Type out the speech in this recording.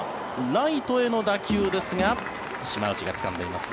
ライトへの打球ですが島内がつかんでいます